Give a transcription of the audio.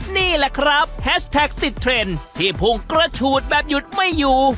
นี่แหละครับแฮชแท็กติดเทรนด์ที่พุ่งกระฉูดแบบหยุดไม่อยู่